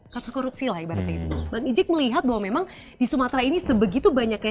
kasus korupsi lah ibaratnya itu bang ijik melihat bahwa memang di sumatera ini sebegitu banyaknya